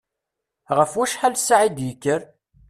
Ɣef wacḥal ssaɛa i d-yekker?